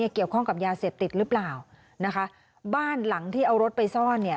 เกี่ยวข้องกับยาเสพติดหรือเปล่านะคะบ้านหลังที่เอารถไปซ่อนเนี่ย